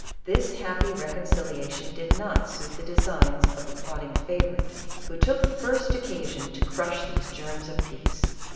This happy reconciliation did not suit the designs of the plotting favorite, who took the first occasion to crush these germs of peace.